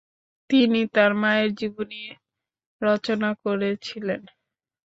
তিনি তার মায়ের জীবনী রচনা করেছিলেন।